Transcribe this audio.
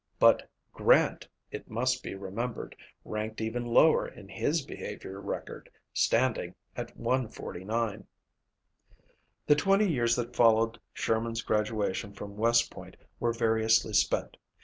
But Grant, it must be remembered, ranked even lower in his behavior record, standing at 149. The twenty years that followed Sherman's graduation from West Point were variously spent.